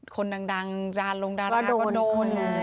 คนดังดาลงดาราก็โดน